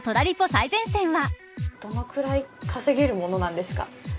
最前線は。